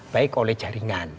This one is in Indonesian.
baik oleh jaringan